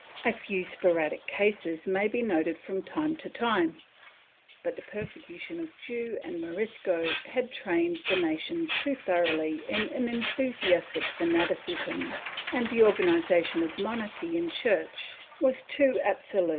A few sporadic cases may be noted from time to time, but the persecution of Jew and Morisco had trained the nation too thoroughly in enthusiastic fanaticism, and the organization of monarchy and Church was too absolute for » Schafer, II, 327.